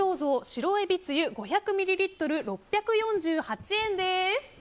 白えびつゆ５００ミリリットル６４８円です。